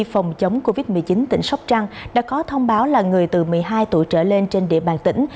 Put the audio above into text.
phòng chống covid một mươi chín tỉnh sóc trăng đã có thông báo là người từ một mươi hai tuổi trở lên trên địa bàn tỉnh